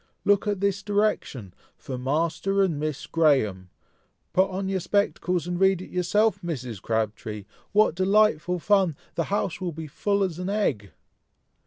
"Look at this direction! For Master and Miss Graham! put on your spectacles, and read it yourself, Mrs. Crabtree! What delightful fun! the house will be as full as an egg!"